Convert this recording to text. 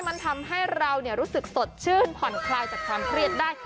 มันทำให้เรารู้สึกสดชื่นผ่อนคลายจากความเครียดได้